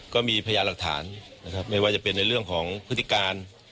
ก็มีพยานหลักฐานนะครับไม่ว่าจะเป็นในเรื่องของพฤติการ